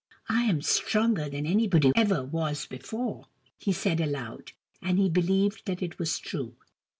" I am stronger than anybody ever was before !" he said aloud. And he believed that it was true.